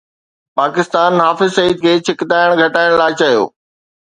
پاڪستان حافظ سعيد کي ڇڪتاڻ گهٽائڻ لاءِ چيو